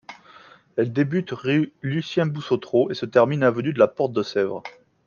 Elle débute rue Lucien-Bossoutrot et se termine avenue de la Porte-de-Sèvres.